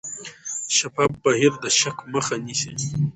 شفاف بهیر د شک مخه نیسي.